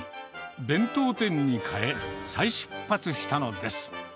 弁当店に変え、再出発したのです。